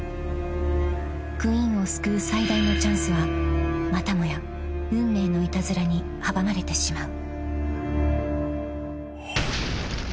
［クインを救う最大のチャンスはまたもや運命のいたずらに阻まれてしまう］